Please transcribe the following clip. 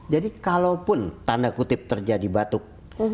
jadi kalaupun tanda kutip terjadi batuk